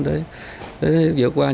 để vượt qua những gì khó khăn